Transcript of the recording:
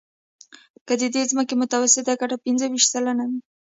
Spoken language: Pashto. که د دې ځمکې متوسطه ګټه پنځه ویشت سلنه وي